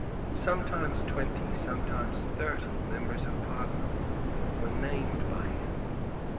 Sometimes twenty, sometimes thirty, members of Parliament were named by him.